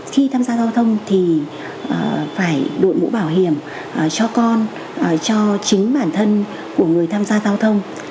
khi tham gia giao thông thì phải đội mũ bảo hiểm cho con cho chính bản thân của người tham gia giao thông